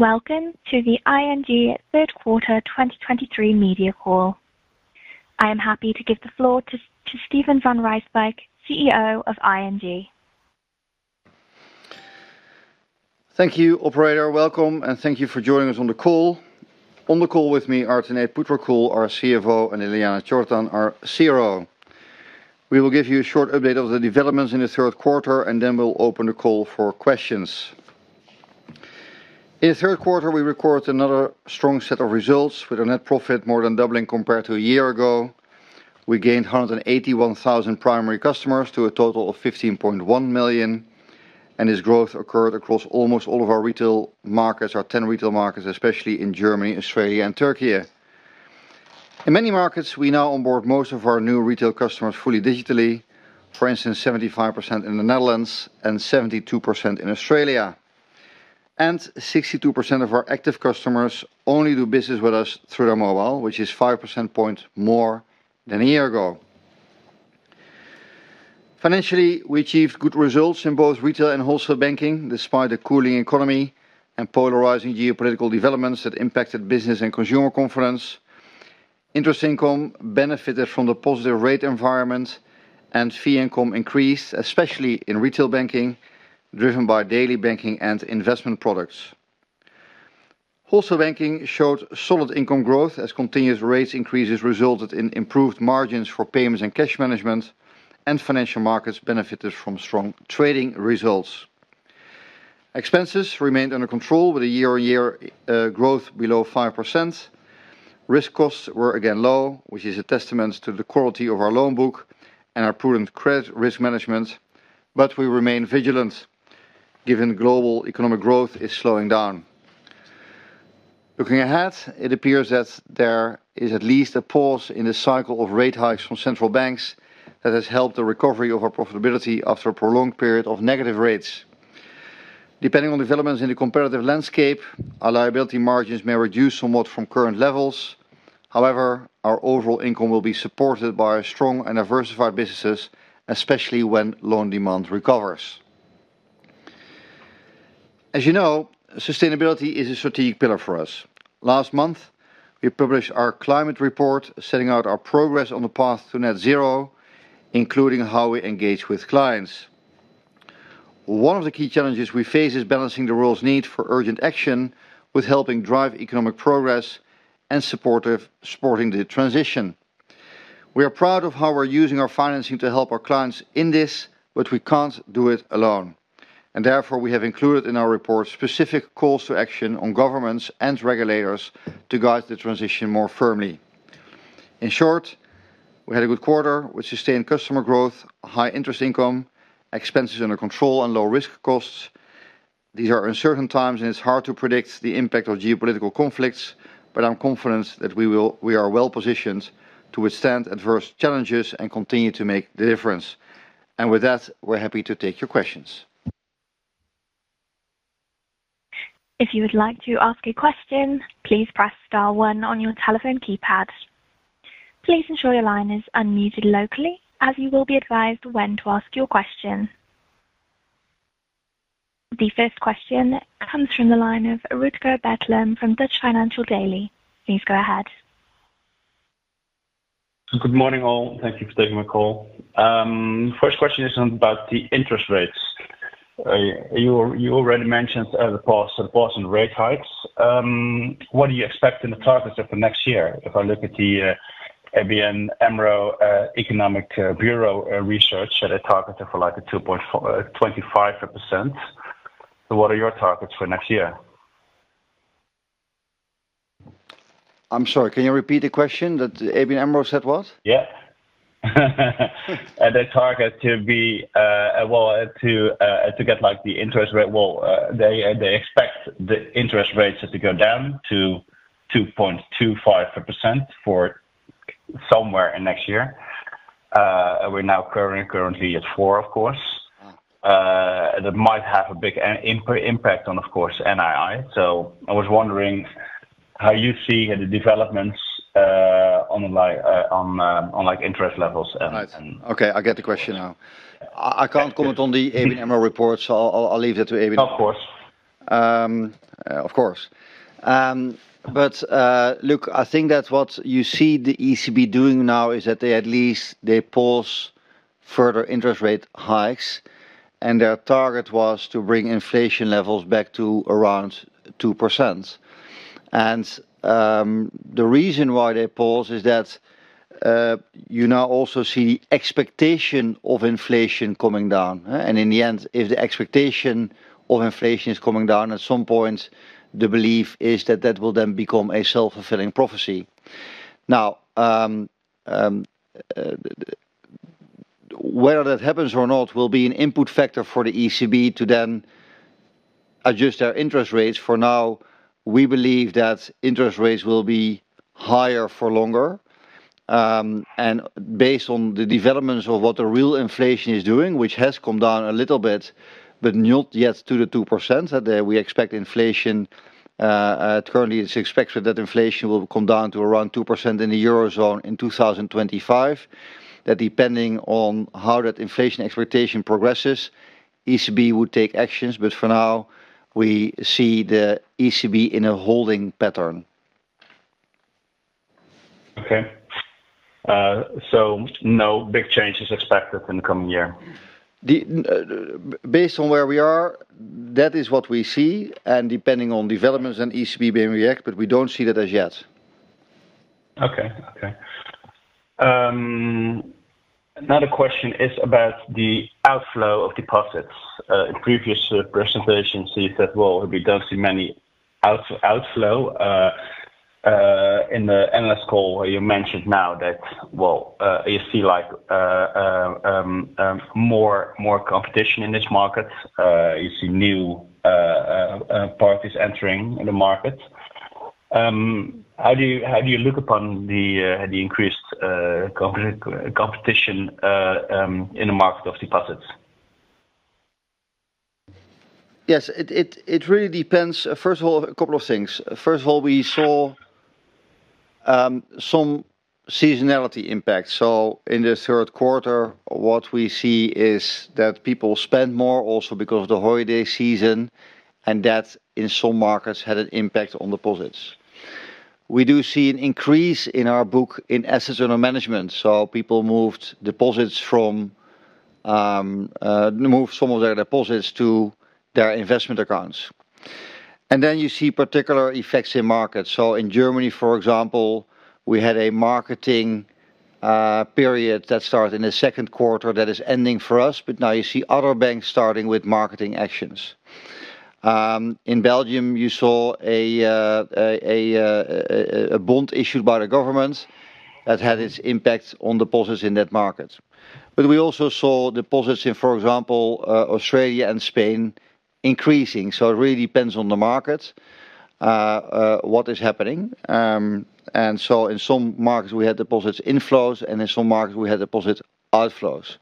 Welcome to the ING third quarter 2023 media call. I am happy to give the floor to Steven van Rijswijk, CEO of ING. Thank you, operator. Welcome, and thank you for joining us on the call. On the call with me are Tanate Phutrakul, our CFO, and Ljiljana Čortan, our CRO. We will give you a short update of the developments in the third quarter, and then we'll open the call for questions. In the third quarter, we recorded another strong set of results, with our net profit more than doubling compared to a year ago. We gained 181,000 primary customers to a total of 15.1 million, and this growth occurred across almost all of our retail markets, our 10 retail markets, especially in Germany, Australia, and Turkey. In many markets, we now onboard most of our new retail customers fully digitally. For instance, 75% in the Netherlands and 72% in Australia. 62% of our active customers only do business with us through their mobile, which is five percentage points more than a year ago. Financially, we achieved good results in both retail banking and wholesale banking, despite the cooling economy and polarizing geopolitical developments that impacted business and consumer confidence. Interest income benefited from the positive rate environment, and fee income increased, especially in retail banking, driven by daily banking and investment products. Wholesale banking showed solid income growth as continuous rates increases resulted in improved margins for payments and cash management, and financial markets benefited from strong trading results. Expenses remained under control, with a year-on-year growth below 5%. Risk costs were again low, which is a testament to the quality of our loan book and our prudent credit risk management, but we remain vigilant, given global economic growth is slowing down. Looking ahead, it appears that there is at least a pause in the cycle of rate hikes from central banks that has helped the recovery of our profitability after a prolonged period of negative rates. Depending on developments in the competitive landscape, our liability margins may reduce somewhat from current levels. However, our overall income will be supported by strong and diversified businesses, especially when loan demand recovers. As you know, sustainability is a strategic pillar for us. Last month, we published our climate report, setting out our progress on the path to net zero, including how we engage with clients. One of the key challenges we face is balancing the world's need for urgent action with helping drive economic progress and supporting the transition. We are proud of how we're using our financing to help our clients in this, but we can't do it alone, and therefore, we have included in our report specific calls to action on governments and regulators to guide the transition more firmly. In short, we had a good quarter with sustained customer growth, high interest income, expenses under control, and low risk costs. These are uncertain times, and it's hard to predict the impact of geopolitical conflicts, but I'm confident that we are well-positioned to withstand adverse challenges and continue to make the difference. With that, we're happy to take your questions. If you would like to ask a question, please press star one on your telephone keypad. Please ensure your line is unmuted locally, as you will be advised when to ask your question. The first question comes from the line of Rutger Betlem from Dutch Financial Daily. Please go ahead. Good morning, all. Thank you for taking my call. First question is on about the interest rates. You already mentioned the pause in rate hikes. What do you expect in the targets of the next year? If I look at the ABN AMRO Economic Bureau research at a target of, like, 2.25%. So what are your targets for next year? I'm sorry, can you repeat the question, that ABN AMRO said what? Yeah. They target to be well to get like the interest rate. Well, they expect the interest rates to go down to 2.25% for somewhere in next year. We're now currently at 4%, of course. Mm. That might have a big impact on, of course, NII. So I was wondering how you see the developments on, like, interest levels and... Right. Okay, I get the question now. I can't comment on the ABN AMRO report, so I'll leave that to ABN. Of course. Of course. But, look, I think that what you see the ECB doing now is that they at least they pause further interest rate hikes, and their target was to bring inflation levels back to around 2%. And, the reason why they pause is that, you now also see expectation of inflation coming down, huh? And in the end, if the expectation of inflation is coming down, at some point, the belief is that that will then become a self-fulfilling prophecy. Now, whether that happens or not will be an input factor for the ECB to then adjust their interest rates. For now, we believe that interest rates will be higher for longer. Based on the developments of what the real inflation is doing, which has come down a little bit, but not yet to the 2%, we expect inflation. Currently, it's expected that inflation will come down to around 2% in the Eurozone in 2025. That, depending on how that inflation expectation progresses, ECB would take actions, but for now, we see the ECB in a holding pattern. Okay. So no big changes expected in the coming year? Based on where we are, that is what we see, and depending on developments and ECB may react, but we don't see that as yet. Okay. Okay. Another question is about the outflow of deposits. In previous presentations, you said, well, we don't see many outflow. In the analyst call, you mentioned now that, well, you see like more competition in this market. You see new parties entering in the market. How do you, how do you look upon the increased competition in the market of deposits? Yes, it really depends. First of all, a couple of things. First of all, we saw some seasonality impact. So in the third quarter, what we see is that people spend more also because of the holiday season, and that in some markets had an impact on deposits. We do see an increase in our book in assets under management, so people moved some of their deposits to their investment accounts. And then you see particular effects in markets. So in Germany, for example, we had a marketing period that started in the second quarter that is ending for us, but now you see other banks starting with marketing actions. In Belgium, you saw a bond issued by the government that had its impact on deposits in that market. But we also saw deposits in, for example, Australia and Spain increasing. So it really depends on the market, what is happening. And so in some markets we had deposits inflows, and in some markets we had deposit outflows.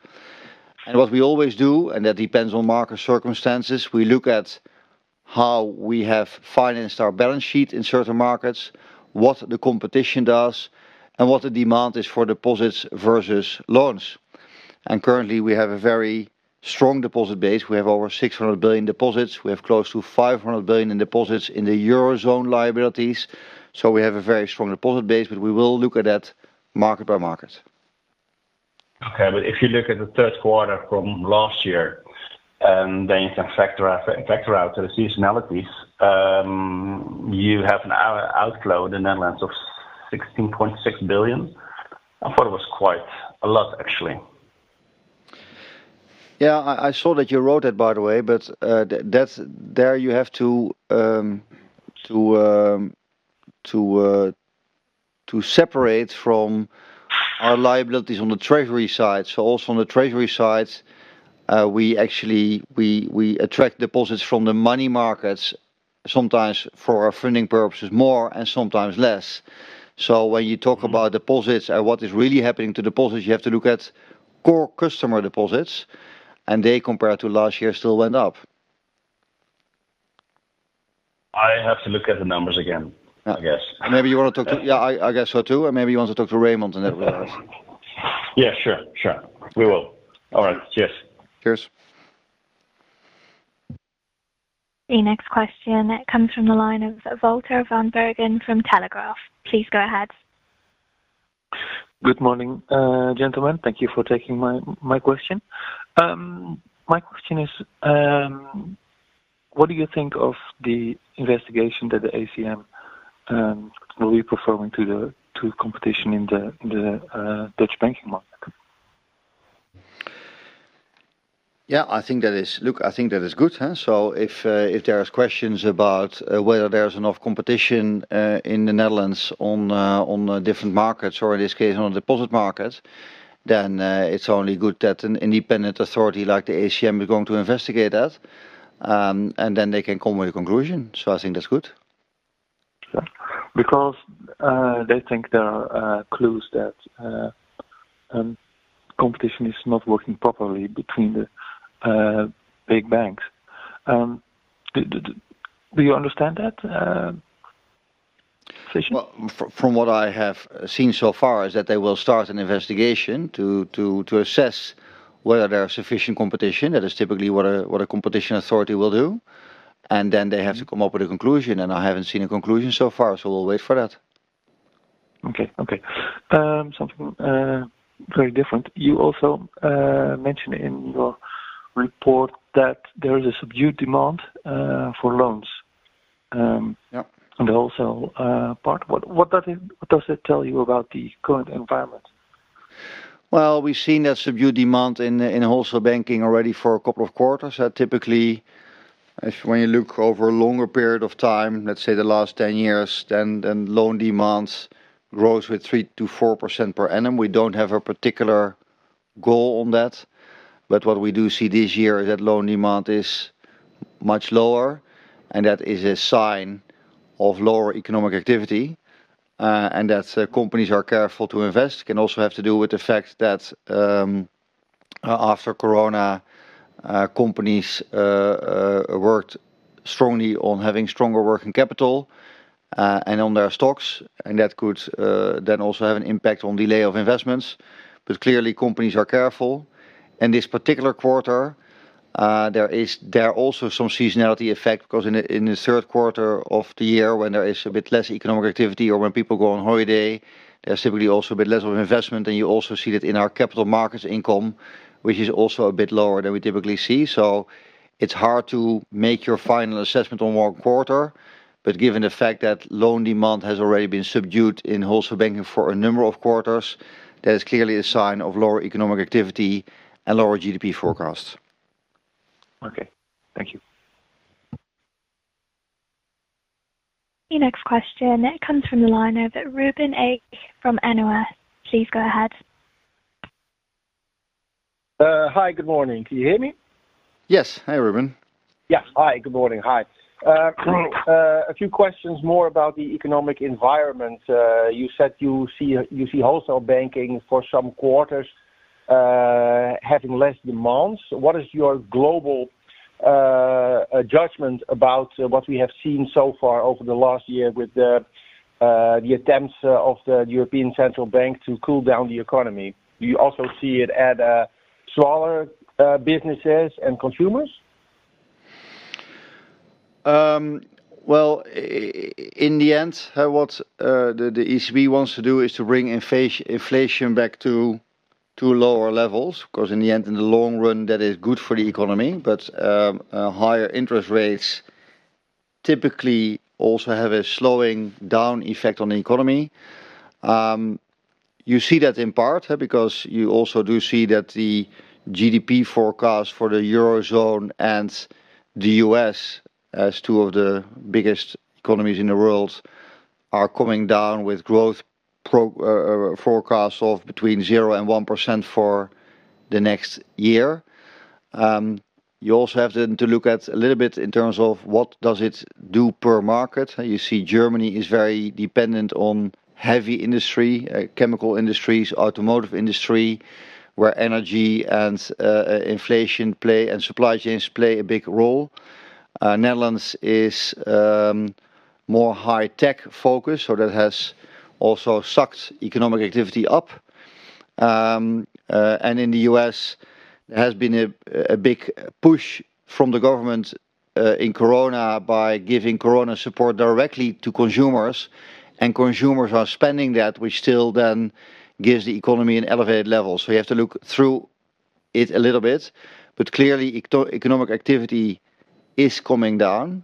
And what we always do, and that depends on market circumstances, we look at how we have financed our balance sheet in certain markets, what the competition does, and what the demand is for deposits versus loans. And currently, we have a very strong deposit base. We have over 600 billion deposits. We have close to 500 billion in deposits in the Eurozone liabilities. So we have a very strong deposit base, but we will look at that market by market. Okay, but if you look at the third quarter from last year, and then you can factor out the seasonalities, you have an outflow in the Netherlands of 16.6 billion. I thought it was quite a lot, actually. Yeah, I saw that you wrote it, by the way, but that's there you have to separate from our liabilities on the treasury side. So also on the treasury side, we actually attract deposits from the money markets, sometimes for our funding purposes, more and sometimes less. So when you talk about deposits and what is really happening to deposits, you have to look at core customer deposits, and they, compared to last year, still went up. I have to look at the numbers again, I guess. Maybe you want to talk to... Yeah, I, I guess so, too, or maybe you want to talk to Raymond and then ask. Yeah, sure. Sure. We will. All right, cheers. Cheers. The next question comes from the line of Wouter van Bergen from De Telegraaf. Please go ahead. Good morning, gentlemen. Thank you for taking my question. My question is, what do you think of the investigation that the ACM will be performing to the competition in the Dutch banking market? Yeah, I think that is... Look, I think that is good, huh? So if there are questions about whether there is enough competition in the Netherlands on different markets or in this case, on deposit markets, then it's only good that an independent authority like the ACM is going to investigate that, and then they can come with a conclusion. So I think that's good. Because they think there are clues that competition is not working properly between the big banks. Do you understand that question? Well, from what I have seen so far is that they will start an investigation to assess whether there is sufficient competition. That is typically what a competition authority will do, and then they have to come up with a conclusion, and I haven't seen a conclusion so far, so we'll wait for that. Okay. Okay. Something very different. You also mentioned in your report that there is a subdued demand for loans. Um, yep. On the wholesale part. What that is—what does it tell you about the current environment? Well, we've seen that subdued demand in wholesale banking already for a couple of quarters. Typically, when you look over a longer period of time, let's say the last 10 years, then loan demands grows with 3%-4% per annum. We don't have a particular goal on that, but what we do see this year is that loan demand is much lower, and that is a sign of lower economic activity, and that's companies are careful to invest. Can also have to do with the fact that, after corona, companies worked strongly on having stronger working capital, and on their stocks, and that could then also have an impact on delay of investments. But clearly, companies are careful. In this particular quarter, there are also some seasonality effect, because in the third quarter of the year when there is a bit less economic activity or when people go on holiday, there's typically also a bit less of investment, and you also see that in our capital markets income, which is also a bit lower than we typically see. So it's hard to make your final assessment on one quarter, but given the fact that loan demand has already been subdued in wholesale banking for a number of quarters, that is clearly a sign of lower economic activity and lower GDP forecast. Okay, thank you. The next question, it comes from the line of Ruben Eg from NOS. Please go ahead. Hi, good morning. Can you hear me? Yes. Hi, Ruben. Yeah. Hi, good morning. Hi. A few questions more about the economic environment. You said you see, you see wholesale banking for some quarters having less demands. What is your global judgment about what we have seen so far over the last year with the attempts of the European Central Bank to cool down the economy? Do you also see it at smaller businesses and consumers? Well, in the end, what the ECB wants to do is to bring inflation back to lower levels, 'cause in the end, in the long run, that is good for the economy. But, higher interest rates typically also have a slowing down effect on the economy. You see that in part, because you also do see that the GDP forecast for the Eurozone and the US, as two of the biggest economies in the world, are coming down with growth forecast of between 0% and 1% for the next year. You also have then to look at a little bit in terms of what does it do per market. You see, Germany is very dependent on heavy industry, chemical industries, automotive industry, where energy and inflation play and supply chains play a big role. Netherlands is more high tech focused, so that has also sucked economic activity up. And in the U.S., there has been a big push from the government in corona by giving corona support directly to consumers, and consumers are spending that, which still then gives the economy an elevated level. So you have to look through it a little bit, but clearly, economic activity is coming down.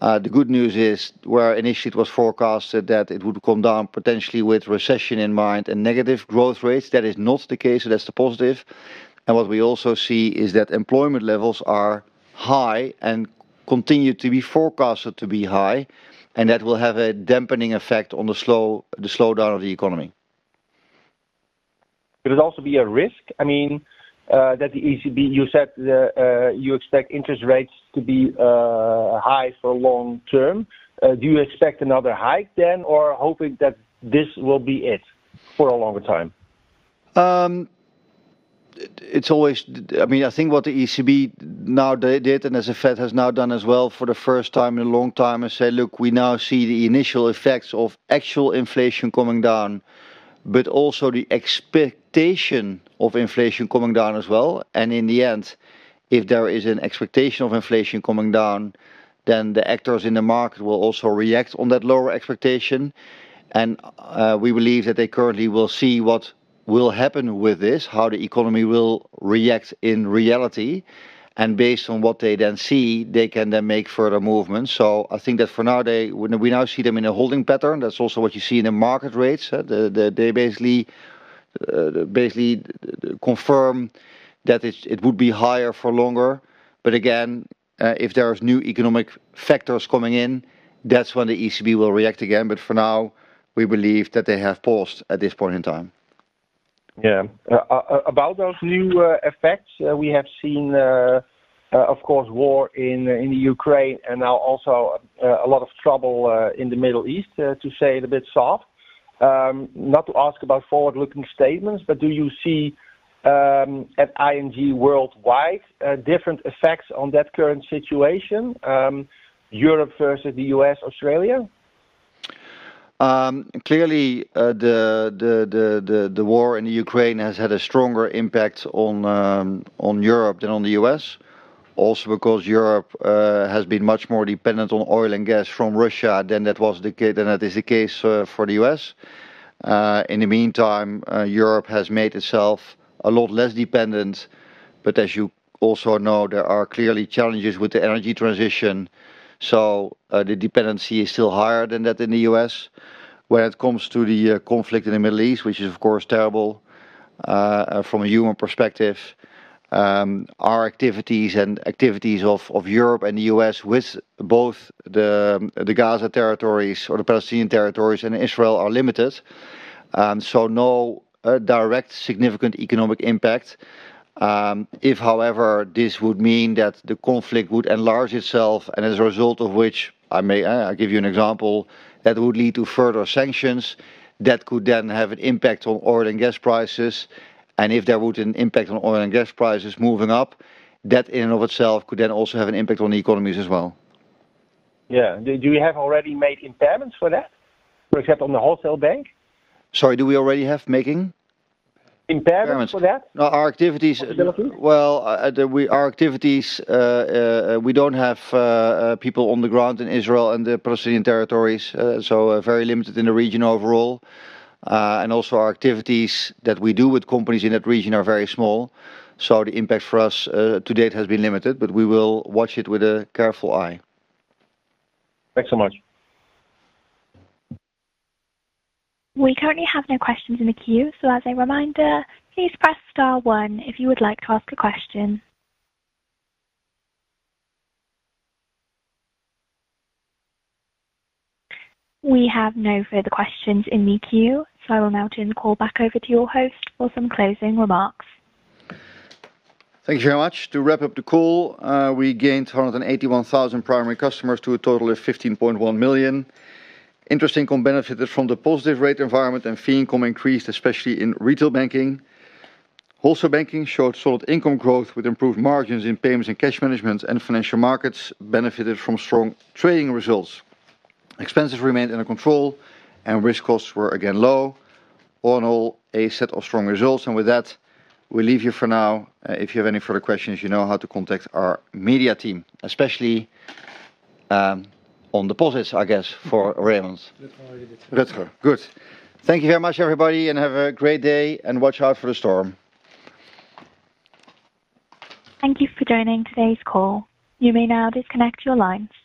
The good news is, where initially it was forecasted that it would come down potentially with recession in mind and negative growth rates, that is not the case, so that's the positive. What we also see is that employment levels are high and continue to be forecasted to be high, and that will have a dampening effect on the slowdown of the economy. Will it also be a risk? I mean, that the ECB, you said, you expect interest rates to be, high for long term. Do you expect another hike then, or hoping that this will be it for a longer time? It's always... I mean, I think what the ECB now, they did, and as the Fed has now done as well for the first time in a long time, has said: "Look, we now see the initial effects of actual inflation coming down, but also the expectation of inflation coming down as well." And in the end, if there is an expectation of inflation coming down, then the actors in the market will also react on that lower expectation. And, we believe that they currently will see what will happen with this, how the economy will react in reality, and based on what they then see, they can then make further movements. So I think that for now, they, we now see them in a holding pattern. That's also what you see in the market rates. They basically confirm that it would be higher for longer. But again, if there is new economic factors coming in, that's when the ECB will react again. But for now, we believe that they have paused at this point in time. Yeah. About those new effects, we have seen, of course, war in the Ukraine and now also a lot of trouble in the Middle East, to say it a bit soft. Not to ask about forward-looking statements, but do you see at ING worldwide different effects on that current situation, Europe versus the U.S., Australia? Clearly, the war in Ukraine has had a stronger impact on Europe than on the U.S. Also, because Europe has been much more dependent on oil and gas from Russia than that was the case, than that is the case, for the U.S. In the meantime, Europe has made itself a lot less dependent, but as you also know, there are clearly challenges with the energy transition, so the dependency is still higher than that in the U.S. When it comes to the conflict in the Middle East, which is, of course, terrible from a human perspective, our activities and activities of Europe and the U.S. with both the Gaza territories or the Palestinian territories and Israel are limited. So no direct significant economic impact. If however, this would mean that the conflict would enlarge itself and as a result of which, I may give you an example, that would lead to further sanctions, that could then have an impact on oil and gas prices. And if there would an impact on oil and gas prices moving up, that in and of itself could then also have an impact on the economies as well. Do you have already made impairments for that, for example, on the wholesale bank? Sorry, do we already have making impairments for that? Our activities - development. Well, our activities, we don't have people on the ground in Israel and the Palestinian Territories, so we're very limited in the region overall. And also our activities that we do with companies in that region are very small. The impact for us, to date has been limited, but we will watch it with a careful eye. Thanks so much. We currently have no questions in the queue. As a reminder, please press star one if you would like to ask a question. We have no further questions in the queue, so I will now turn the call back over to your host for some closing remarks. Thank you very much. To wrap up the call, we gained 281,000 primary customers to a total of 15.1 million. Interest income benefited from the positive rate environment and fee income increased, especially in retail banking. Wholesale banking showed solid income growth with improved margins in payments and cash management, and financial markets benefited from strong trading results. Expenses remained under control and risk costs were again low. All in all, a set of strong results. And with that, we leave you for now. If you have any further questions, you know how to contact our media team, especially on deposits, I guess, for Raymond. Good for you. Good. Good. Thank you very much, everybody, and have a great day, and watch out for the storm. Thank you for joining today's call. You may now disconnect your lines.